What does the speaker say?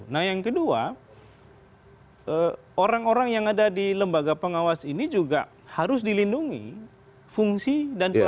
nah yang kedua orang orang yang ada di lembaga pengawas ini juga harus dilindungi fungsi dan pengawasan